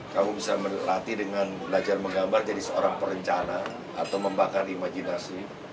kamu bisa melatih dengan belajar menggambar jadi seorang perencana atau membakar imajinasi